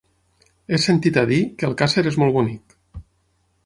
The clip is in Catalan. He sentit a dir que Alcàsser és molt bonic.